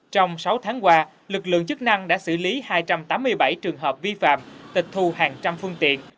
trong sáu tháng qua lực lượng chức năng đã xử lý hai trăm tám mươi bảy trường hợp vi phạm tịch thu hàng trăm phương tiện